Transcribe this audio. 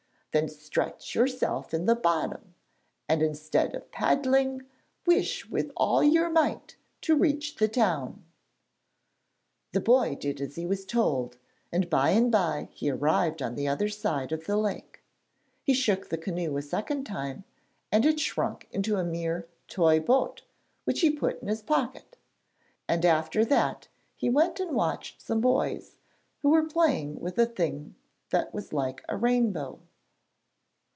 Then stretch yourself in the bottom, and, instead of paddling, wish with all your might to reach the town.' The boy did as he was told, and by and bye he arrived on the other side of the lake. He shook the canoe a second time, and it shrunk into a mere toy boat which he put in his pocket, and after that he went and watched some boys who were playing with a thing that was like a rainbow.